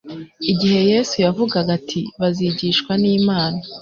Igihe Yesu yavugaga ati «Bazigishwa n'Imana.»